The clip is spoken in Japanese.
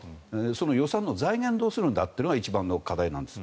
その予算の財源をどうするんだってことが一番の課題なんです。